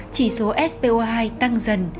chỉ số spo hai tăng dần